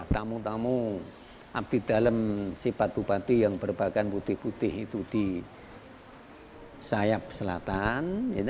tamu tamu abdidalam si patu pati yang berbakan putih putih itu di sayap selatan